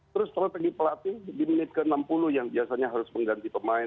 terus strategi pelatih di menit ke enam puluh yang biasanya harus mengganti pemain